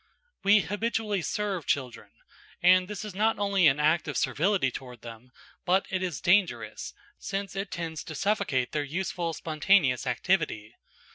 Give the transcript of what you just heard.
We habitually serve children; and this is not only an act of servility toward them, but it is dangerous, since it tends to suffocate their useful, spontaneous activity.